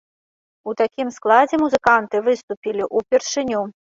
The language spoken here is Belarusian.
У такім складзе музыканты выступілі ўпершыню.